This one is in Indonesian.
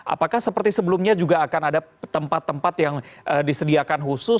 apakah seperti sebelumnya juga akan ada tempat tempat yang disediakan khusus